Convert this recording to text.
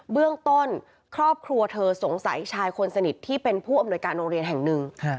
เบื้องต้นครอบครัวเธอสงสัยชายคนสนิทที่เป็นผู้อำนวยการโรงเรียนแห่งหนึ่ง